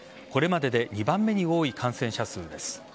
これまでで２番目に多い感染者数です。